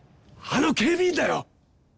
あの警備員だよ！